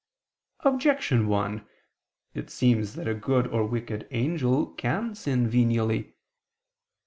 Objection 1: It seems that a good or wicked angel can sin venially.